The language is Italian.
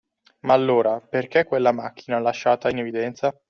Ma allora perché quella macchina lasciata in evidenza?